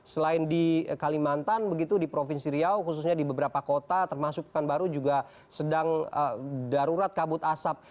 selain di kalimantan begitu di provinsi riau khususnya di beberapa kota termasuk pekanbaru juga sedang darurat kabut asap